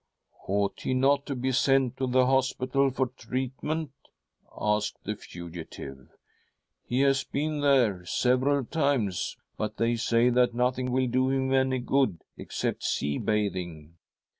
' Ought he not to be sent to the hospital for treat ment?' asked the fugitive. 'He has been there several times, but they say that nothing will do him any good except sea bathing.